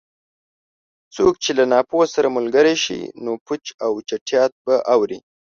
څوک چې له ناپوه سره ملګری شي؛ نو پوچ او چټیات به اوري.